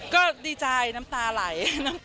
ก็ดีใจน้ำตาไหล